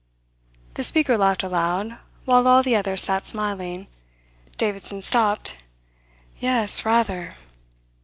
The speaker laughed aloud, while all the others sat smiling. Davidson stopped. "Yes, rather."